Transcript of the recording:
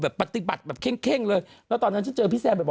แบบปฏิบัติแบบเคร่งเคร่งเลยแล้วตอนนั้นฉันเจอพี่แซมแบบว่า